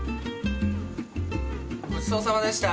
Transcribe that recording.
ごちそうさまでした。